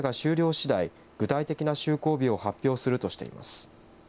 しだい具体的な就航日を発表するとしています。